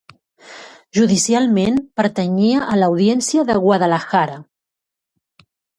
Judicialment pertanyia a l'Audiència de Guadalajara.